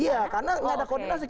iya karena nggak ada koordinasi